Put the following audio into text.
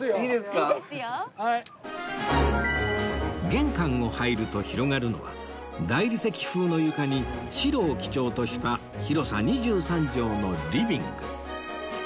玄関を入ると広がるのは大理石風の床に白を基調とした広さ２３帖のリビング